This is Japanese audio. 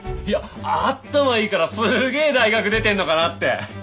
いやあったまいいからすげえ大学出てんのかなって。